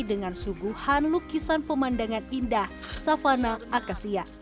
dengan suguhan lukisan pemandangan indah savana akasia